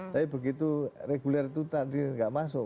tapi begitu regulier itu tadi tidak masuk